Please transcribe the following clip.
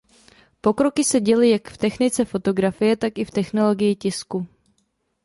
Pokroky se děly jak v technice fotografie tak i v technologii tisku.